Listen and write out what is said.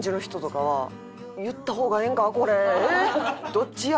どっちや？